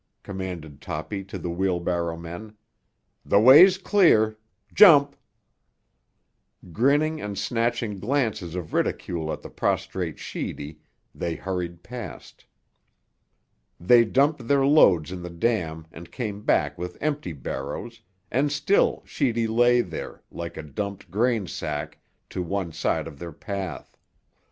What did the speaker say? commanded Toppy to the wheel barrowmen. "The way's clear. Jump!" Grinning and snatching glances of ridicule at the prostrate Sheedy, they hurried past. They dumped their loads in the dam and came back with empty barrows, and still Sheedy lay there, like a dumped grain sack, to one side of their path.